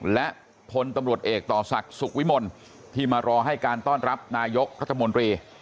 และพลตำรวจเอกต่อศักดิ์สุขวิมลที่มารอให้การต้อนรับนายกรัฐมนตรี